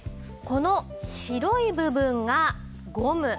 この白い部分がゴム。